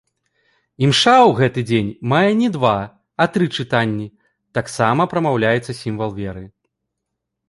Імша ў гэты дзень мае не два, а тры чытанні, таксама прамаўляецца сімвал веры.